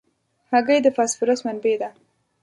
هګۍ د فاسفورس منبع ده.